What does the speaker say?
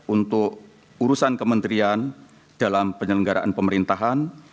untuk urusan kementerian dalam penyelenggaraan pemerintahan